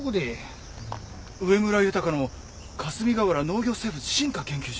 上村浩の霞ヶ浦農業生物進化研究所？